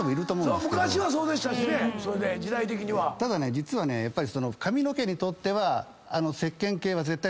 実はねやっぱり。